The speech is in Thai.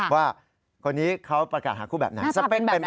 ว่าคนนี้เขาประกาศหาคู่แบบไหน